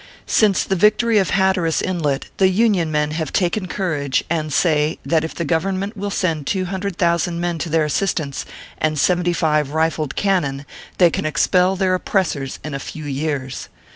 Since the victory of Hatteras Inlet, the .Union men have taken courage, and say, that if the Government will send two hundred thousand men to their assistance, and seventy five rifled cannon, they can expel their oppressors in a few years.